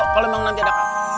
kalau memang nanti ada